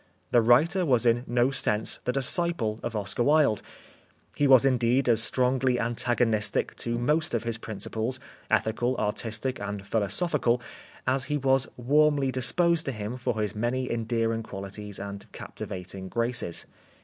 The writer was in no sense the disciple of Oscar Wilde ; he was indeed as strongly antagonistic to most of his principles, ethical, artistic, and philosophical, as he was warmly disposed to him for his many endearing qualities and captivating graces.